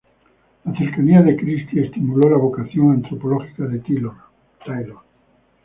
La cercanía de Christy estimuló la vocación antropológica de Tylor.